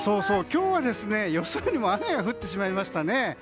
今日は予想よりも雨が降ってしまいましたね。